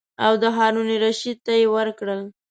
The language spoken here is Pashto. او د هارون الرشید ته یې ورکړل.